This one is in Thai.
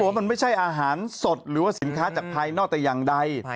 ว่ามันไม่ใช่อาหารสดหรือว่าสินค้าจากภายนอกแต่อย่างใด